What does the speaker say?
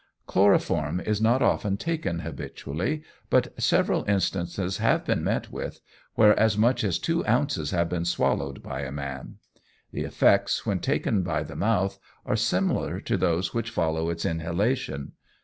Chloroform is not often taken habitually, but several instances have been met with where as much as two ounces have been swallowed by a man. The effects, when taken by the mouth, are similar to those which follow its inhalation.